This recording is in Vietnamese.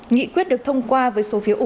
nghị quyết được thông qua với số phiếu ủng